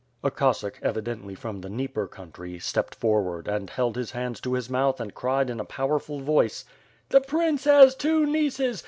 A Cossack, evidently from the Dnieper country, stepped forward and held his hands to his mouth and cried in a powerful voice: "The prince has two nieces.